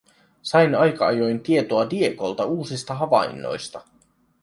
Sain aika ajoin tietoa Diegolta uusista havainnoista.